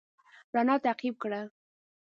رڼا تعقيب کړه.